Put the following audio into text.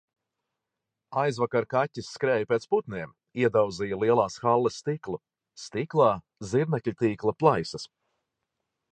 Aizvakar kaķis skrēja pēc putniem, iedauzīja lielās halles stiklu. Stiklā zirnekļtīkla plaisas.